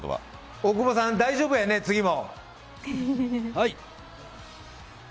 大久保さん、大丈夫やね、次も。